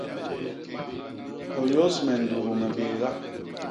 Hôyôs me ndudu me bééga!